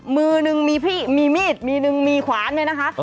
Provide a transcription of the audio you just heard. มือนึงมีพี่มีมีดมีหนึ่งมีขวานเนี่ยนะคะ